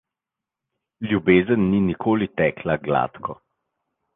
Ljubezen ni nikoli tekla gladko.